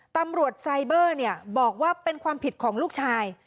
ตำรวจไซเบอร์บอกว่าเป็นความผิดของลูกชาย